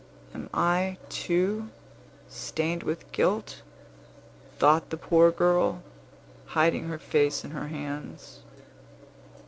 "Am I, too, stained with guilt?" thought the poor girl, hiding her face in her hands.